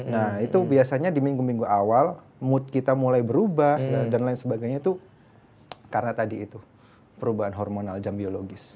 nah itu biasanya di minggu minggu awal mood kita mulai berubah dan lain sebagainya itu karena tadi itu perubahan hormonal jam biologis